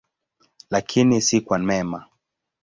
Lakini si kwa mema.